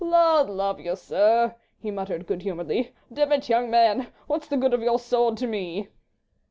"Lud love you, sir," he muttered good humouredly. "Demmit, young man, what's the good of your sword to me?"